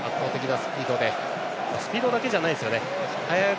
スピードだけじゃないですよね。